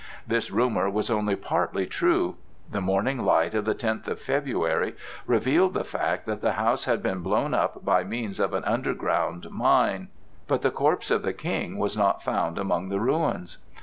This rumor was only partly true. The morning light of the tenth of February revealed the fact that the house had been blown up by means of an underground mine; but the corpse of the King was not found among the ruins.